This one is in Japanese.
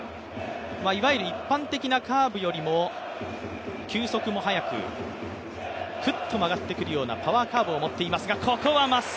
いわゆる一般的なカーブよりも球速も速く、クッと曲がってくるようなパワーカーブを持っていますが。